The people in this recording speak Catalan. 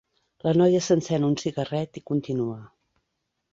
La noia s'encén un cigarret i continua.